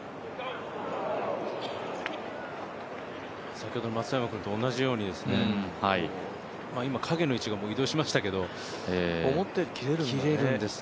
先ほどの松山君と同じように今、影の位置がもう移動しましたけれども思ったより切れるんですね。